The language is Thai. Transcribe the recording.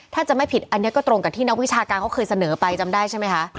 ถ้าจะไม่ผิดอันนี้ก็ตรงกับที่นักวิชาการเขาเคยเสนอไปจำได้ใช่ไหมคะ